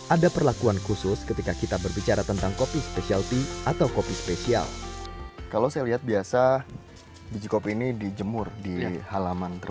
ada perlakuan khusus ketika kita berbicara tentang kopi spesialty atau kopi spesial